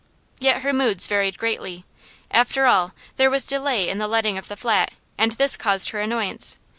Yet her moods varied greatly. After all, there was delay in the letting of the flat, and this caused her annoyance.